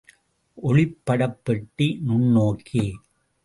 ஒளிப்படப் பெட்டி, நுண்ணோக்கி.